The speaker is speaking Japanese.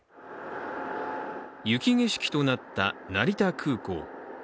雪景色となった成田空港。